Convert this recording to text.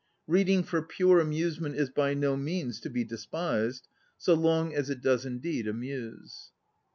Reading for pure amusement is by no means to be despised, ŌĆö so long as it does indeed amuse.